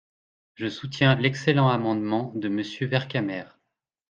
Je soutiens l’excellent amendement de Monsieur Vercamer.